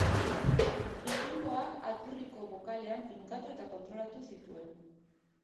Bikingoak Aturriko bokalean finkatu eta kontrolatu zituen.